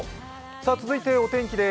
続いてお天気です。